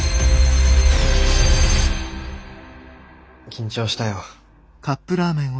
緊張したよ。